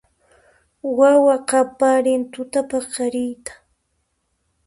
Wawa qaparin tutapaqariyta